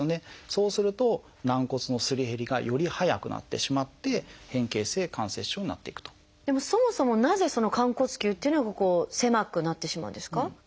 そうすると軟骨のすり減りがより早くなってしまって変形性関節症になっていくと。でもそもそもなぜその寛骨臼っていうのが狭くなってしまうんですか？